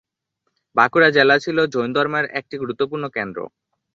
বাঁকুড়া জেলা ছিল জৈনধর্মের একটি গুরুত্বপূর্ণ কেন্দ্র।